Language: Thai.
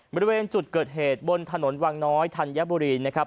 บริเวณจุดเกิดเหตุบนถนนวังน้อยธัญบุรีนะครับ